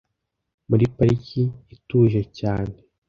muri pariki ituje cyane